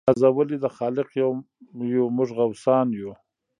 نازولي د خالق یو موږ غوثان یو